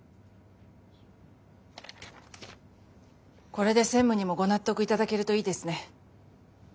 これで専務にもご納得頂けるといいですね。